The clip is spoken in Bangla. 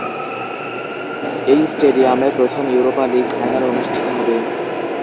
এই স্টেডিয়ামে প্রথম ইউরোপা লীগ ফাইনাল অনুষ্ঠিত হবে।